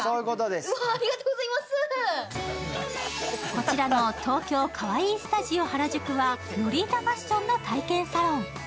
こちらの東京Ｋａｗａｉｉスタジオ原宿は、ロリータファッションの体験サロン。